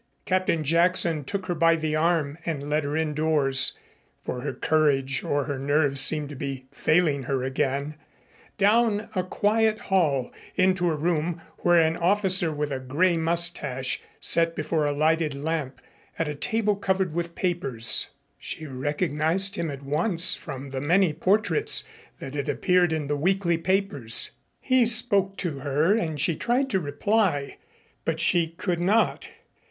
Captain Jackson took her by the arm and led her indoors, for her courage or her nerves seemed to be failing her again, down a quiet hall into a room where an officer with a gray mustache sat before a lighted lamp at a table covered with papers. She recognized him at once from the many portraits that had appeared in the weekly papers. He spoke to her and she tried to reply, but she could not.